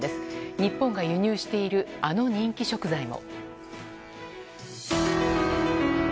日本が輸入しているあの人気食材も。